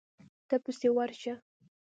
ته پسې ورشه.